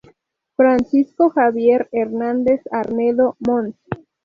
Francisco Javier Hernández Arnedo, Mons.